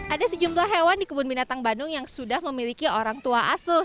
ada sejumlah hewan di kebun binatang bandung yang sudah memiliki orang tua asuh